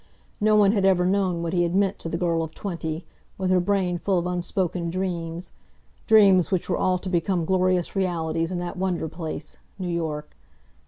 No one had ever known what he had meant to the girl of twenty, with her brain full of unspoken dreams dreams which were all to become glorious realities in that wonder place, New York.